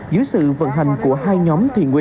dưới sự vận hành của hai nhóm